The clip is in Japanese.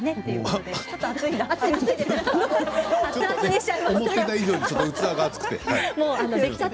思った以上に器が熱くて。